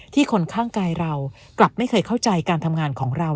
คนข้างกายเรากลับไม่เคยเข้าใจการทำงานของเรา